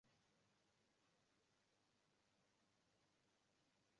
masomo ya fizikia yanasaidia katika kutengeneza mawimbi ya sauti